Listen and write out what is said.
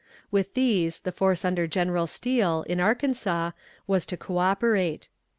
With these the force under General Steele, in Arkansas, was to coöperate.